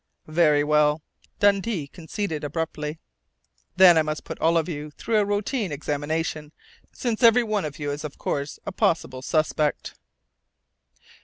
"Very well," Dundee conceded abruptly. "Then I must put all of you through a routine examination, since every one of you is, of course, a possible suspect."